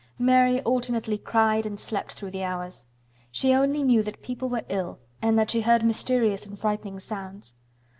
Mary alternately cried and slept through the hours. She only knew that people were ill and that she heard mysterious and frightening sounds.